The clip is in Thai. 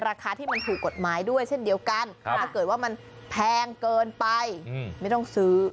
ราคาที่มันถูกกฎหมายด้วยเช่นเดียวกันถ้าเกิดว่ามันแพงเกินไปไม่ต้องซื้อ